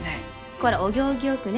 こらお行儀よくね。